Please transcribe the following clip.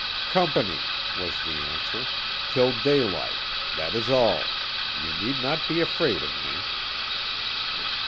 "Company," was the answer, "till daylight. That is all. You need not be afraid of me."